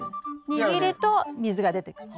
握ると水が出てくる。